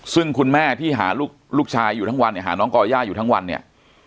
ซึ่งคุณแม่ที่หาลูกชายอยู่ทั้งวันเนี่ยหาน้องก่อย่าอยู่ทั้งวันเนี่ย